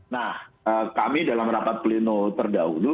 nah kami dalam rapat pleno terdahulu